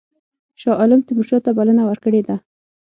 شاه عالم تیمورشاه ته بلنه ورکړې ده.